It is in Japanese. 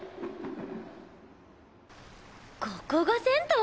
ここが銭湯？